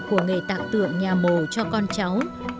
của nghệ tạc tượng nhà mồ cho con cháu